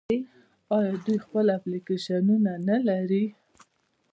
آیا دوی خپل اپلیکیشنونه نلري؟